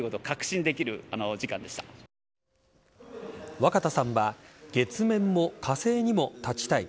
若田さんは月面も火星にも立ちたい。